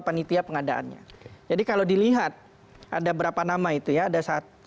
panitia pengadaannya jadi kalau dilihat ada berapa nama itu ya ada satu dua tiga empat ada